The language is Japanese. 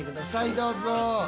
どうぞ。